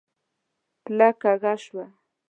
پله کږه شوه.